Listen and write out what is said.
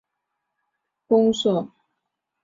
大寮区公所